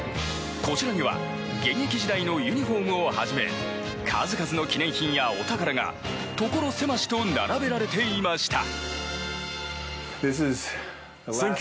こちらには現役時代のユニホームをはじめ数々の記念品やお宝が所狭しと並べられていました。